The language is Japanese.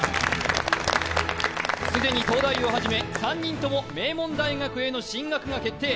既に東大を始め３人とも名門大学への進学が決定。